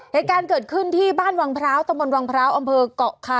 เหตุการณ์เกิดขึ้นที่บ้านวังพร้าวตะมนตวังพร้าวอำเภอกเกาะคา